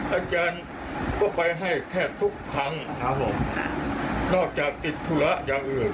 อาจารย์ก็ไปให้แทบทุกครั้งครับผมนอกจากติดธุระอย่างอื่น